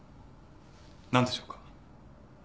なんでしょうか。